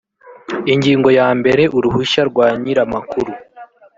ingingo ya mbere uruhushya rwa nyir amakuru